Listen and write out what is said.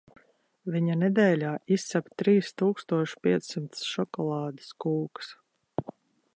Viņa nedēļā izcep trīs tūkstoš piecsimt šokolādes kūkas.